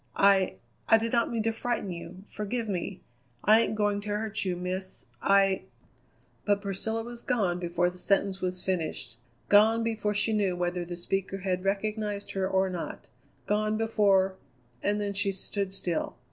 "I I did not mean to frighten you. Forgive me. I ain't going to hurt you, Miss. I " But Priscilla was gone before the sentence was finished. Gone before she knew whether the speaker had recognized her or not. Gone before and then she stood still.